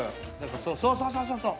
そうそうそうそうそう。